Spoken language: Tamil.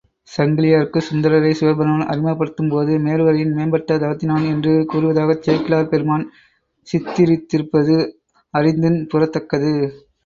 சங்கிலியாருக்குச் சுந்தரரைச் சிவபெருமான் அறிமுகப் படுத்தும்போது, மேருவரையின் மேம்பட்ட தவத்தினான் என்று கூறுவதாகச் சேக்கிழார் பெருமான் சித்திரித்திருப்பது அறிந்தின்புறத்தக்கது.